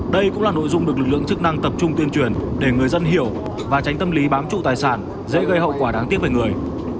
đây cũng là nội dung được lực lượng chức năng tập trung tuyên truyền để người dân hiểu và tránh tâm lý bám trụ tài sản dễ gây hậu quả đáng tiếc về người